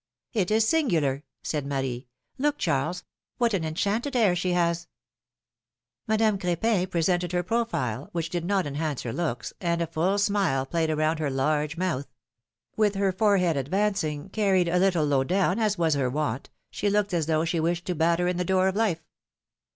It is singular, said Marie. " Look, Charles, what an enchanted air she has !" Madame Cr^pin presented her profile, which did not enhance her looks, and a full smile played around her large mouth; with her forehead advancing, carried a little low down, as was her wont, she looked as though she wished to batter in the door of life.